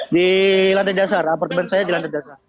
di lantai dasar apartemen saya di lantai dasar